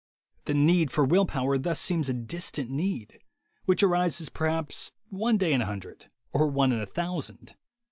The need for will power thus seems a distant need, which arises perhaps one day in a hundred. or one in a thousand.